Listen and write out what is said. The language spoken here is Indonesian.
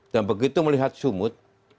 dan begitu melihat sumut